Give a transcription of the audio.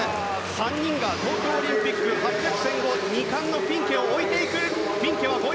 ３人が東京オリンピック８００、１５００ｍ２冠のフィンケを置いていく。